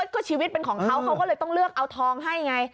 ก็ชีวิตเป็นของเขาเขาก็เลยต้องเลือกเอาทองให้ไง